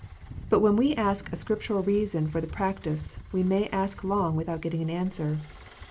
But when we ask a Scriptural reason for the practice, we may ask long without getting an answer.